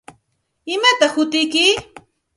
¿Imataq hutiyki?